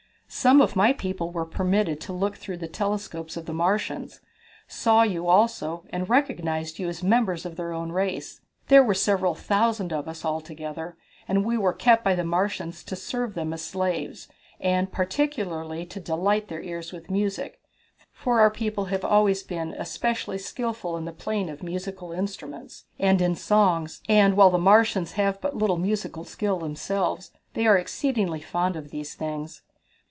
"Some of my people who were permitted to look through the telescopes of the Martians, saw you also, and recognized you as members of their own race. There were several thousand of us, altogether, and we were kept by the Martians to serve them as slaves, and particularly to delight their ears with music, for our people have always been especially skilful in the playing of musical instruments, and in songs, and while the Martians have but little musical skill themselves, they are exceedingly fond of these things."